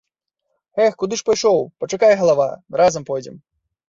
Эх, куды ж пайшоў, пачакай, галава, разам пойдзем.